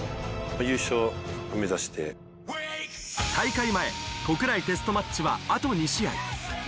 大会前、国内テストマッチはあと２試合。